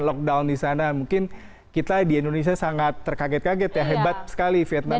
lockdown di sana mungkin kita di indonesia sangat terkaget kaget ya hebat sekali vietnam